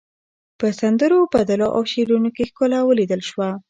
په سندرو، بدلو او شعرونو کې ښکلا وليدل شوه.